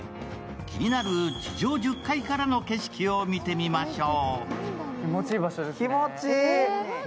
気になる地上１０階からの景色を見てみましょう。